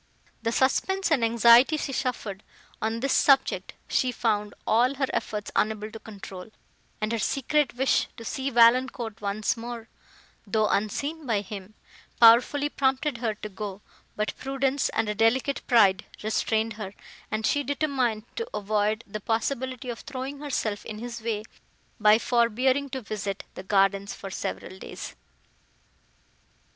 The suspense and anxiety she suffered, on this subject, she found all her efforts unable to control, and her secret wish to see Valancourt once more, though unseen by him, powerfully prompted her to go, but prudence and a delicate pride restrained her, and she determined to avoid the possibility of throwing herself in his way, by forbearing to visit the gardens, for several days.